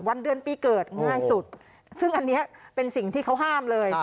วันเดือนปีเกิดง่ายสุดซึ่งอันนี้เป็นสิ่งที่เขาห้ามเลย